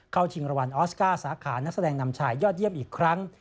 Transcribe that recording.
ชิงรางวัลออสการ์สาขานักแสดงนำชายยอดเยี่ยมอีกครั้ง